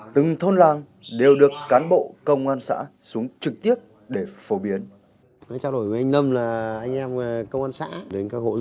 từng thôn làng đều được cán bộ công an xã xuống trực tiếp